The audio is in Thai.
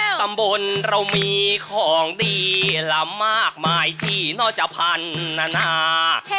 กรรมบลเรามีของดีและมากมายที่น่าจะพันธ์นานา